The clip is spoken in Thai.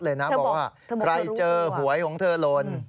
บอกว่าใครเจอหวยของเธอลน